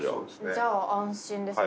じゃあ安心ですね。